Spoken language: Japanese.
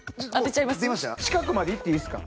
近くまでいっていいすか？